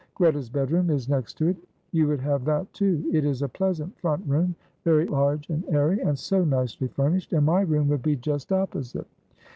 Greta's bedroom is next to it; you would have that, too; it is a pleasant front room, very large and airy, and so nicely furnished, and my room would be just opposite.